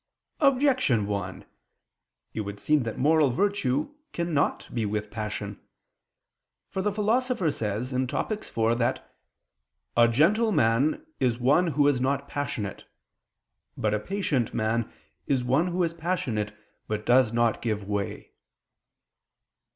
Objection 1: It would seem that moral virtue cannot be with passion. For the Philosopher says (Topic. iv) that "a gentle man is one who is not passionate; but a patient man is one who is passionate but does not give way."